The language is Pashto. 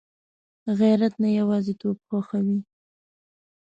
غیرت نه یوازېتوب خوښوي